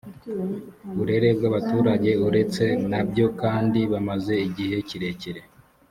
burere bw abaturage uretse n byo kandi bamaze igihe kirekire